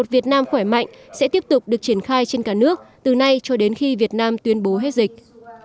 việt nam khỏe mạnh sẽ tiếp tục được triển khai trên cả nước từ nay cho đến khi việt nam tuyên bố hết dịch